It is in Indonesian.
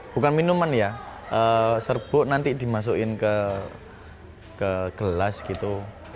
bukan minuman ya serbuk nanti dimasukin ke gelas gitu